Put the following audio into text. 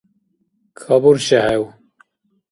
КабуршехӀев?